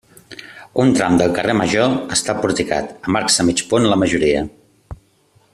Un tram del carrer Major està porticat, amb arcs de mig punt la majoria.